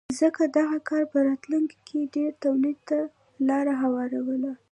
ځکه دغه کار په راتلونکې کې ډېر تولید ته لار هواروله